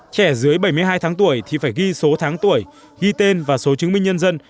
trẻ dưới bảy mươi hai tháng tuổi thì phải ghi số tháng tuổi ghi tên và số chứng minh nhân dân